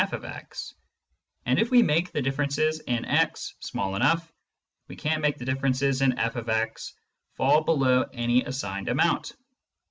fx, and if we make the differences in x small enough, we can make the differences in fx fall below any assigned amount.